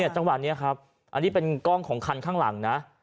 จังหวะนี้ครับอันนี้เป็นกล้องของคันข้างหลังนะ